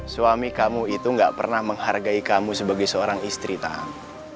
suami kamu itu gak pernah menghargai kamu sebagai seorang istri tam